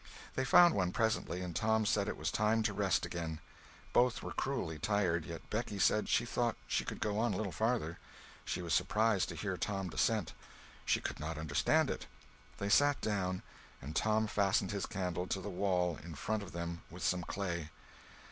They found one presently, and Tom said it was time to rest again. Both were cruelly tired, yet Becky said she thought she could go a little farther. She was surprised to hear Tom dissent. She could not understand it. They sat down, and Tom fastened his candle to the wall in front of them with some clay.